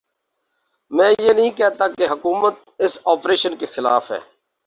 میں یہ نہیں کہتا کہ حکومت اس آپریشن کے خلاف ہے۔